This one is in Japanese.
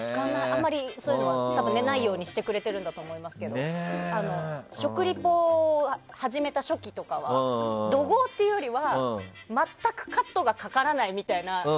あまりそういうのないようにしてくれてるんだと思いますけど食リポを始めた初期とかは怒号というよりは全くカットがかからないみたいな。